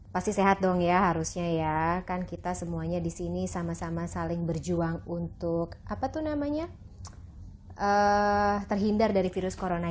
pasti sehat dong ya harusnya ya kan kita semuanya disini sama sama saling berjuang untuk terhindar dari virus corona